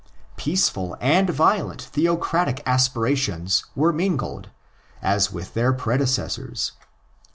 Peaceful and violent theocratic aspirations were mingled, as with their predecessors.